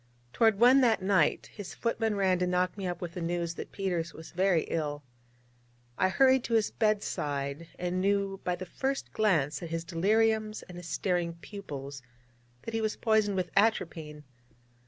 Toward one that night, his footman ran to knock me up with the news that Peters was very ill. I hurried to his bed side, and knew by the first glance at his deliriums and his staring pupils that he was poisoned with atropine.